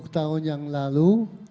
lima puluh tahun yang lalu